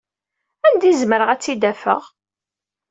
Anda ay zemreɣ ad tt-id-afeɣ?